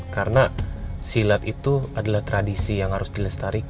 karena silat itu adalah tradisi yang harus dilestarikan